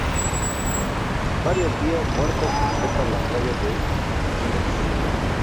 Varias vías muertas completan la playa de vías.